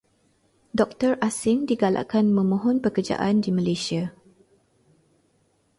Doktor asing digalakkan memohon pekerjaan di Malaysia.